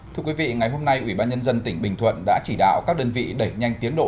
thưa quý vị ngày hôm nay ủy ban nhân dân tỉnh bình thuận đã chỉ đạo các đơn vị đẩy nhanh tiến độ